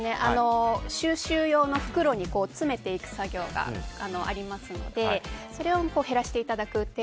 収集用の袋に詰めていく作業がありますのでそれを減らしていただくと。